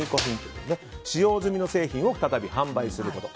使用済みの製品を再び販売すること。